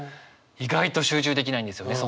意外と集中できないんですよね